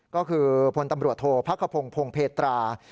ก็คือพลตำรวจโทษพักขพงศ์พงเพตรา